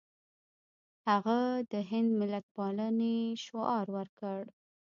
هغه د هند ملتپالنې شعار ورکړ.